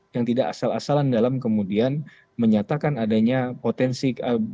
yang tidak asal asalan dalam kemudian menyatakan adanya potensi